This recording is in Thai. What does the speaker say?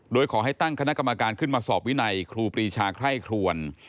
โดยขอให้ตั้งคณะกรรมการขึ้นมาสอบวินัยครูปรีชาไคร่ครวน